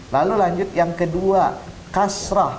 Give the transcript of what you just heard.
lalu lanjut yang kedua kasrah